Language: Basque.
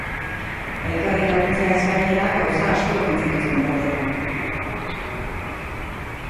Elkarri laguntzeaz gainera, gauza asko egin zituzten batera.